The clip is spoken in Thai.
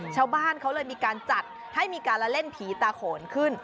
ชาวบ้านเขาเลยมีการจัดให้มีการละเล่นผีตาโขนขึ้น